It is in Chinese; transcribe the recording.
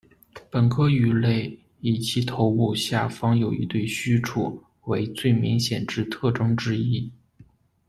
本科鱼类以其头部下方有一对触须为最明显之特征之一。